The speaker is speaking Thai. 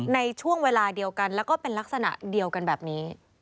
ในช่วงเวลาเดียวกันแล้วก็เป็นลักษณะเดียวกันแบบนี้